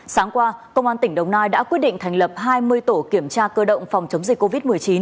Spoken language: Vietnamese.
sáng qua công an tỉnh đồng nai đã quyết định thành lập hai mươi tổ kiểm tra cơ động phòng chống dịch covid một mươi chín